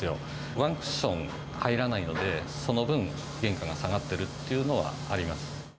ワンクッション入らないので、その分、原価が下がってるっていうのはあります。